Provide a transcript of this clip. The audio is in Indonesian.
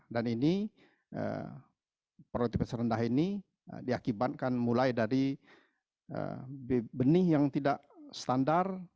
dan ini produktivitas rendah ini diakibatkan mulai dari benih yang tidak standar